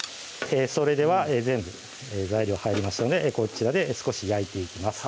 それでは全部材料入りましたのでこちらで少し焼いていきます